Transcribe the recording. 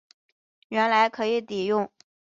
原来可以抵用